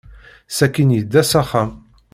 Sakkin, yedda s axxam.